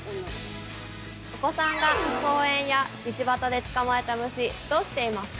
お子さんが公園や道端で捕まえた虫どうしていますか？